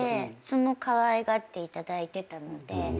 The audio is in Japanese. かわいがっていただいてたので。